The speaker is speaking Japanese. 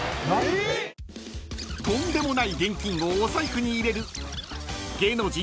［とんでもない現金をお財布に入れる］